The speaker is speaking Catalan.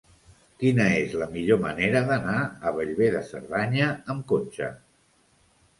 Quina és la millor manera d'anar a Bellver de Cerdanya amb cotxe?